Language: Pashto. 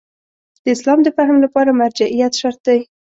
د اسلام د فهم لپاره مرجعیت شرط دی.